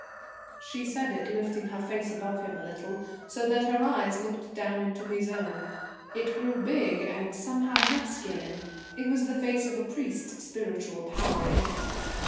She said it, lifting her face above him a little, so that her eyes looked down into his own. It grew big and somehow masculine. It was the face of a priest, spiritual power in it.